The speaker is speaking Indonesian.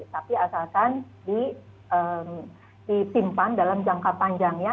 tapi asalkan ditimpan dalam jangka panjang ya